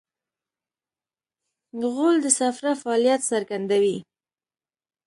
غول د صفرا فعالیت څرګندوي.